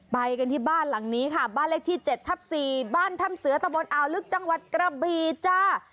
ไปกันที่บ้านหลังนี้ค่ะบ้านเลขที่๗ทับ๔บ้านถ้ำเสือตะบนอ่าวลึกจังหวัดกระบีจ้า